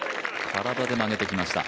体で曲げてきました。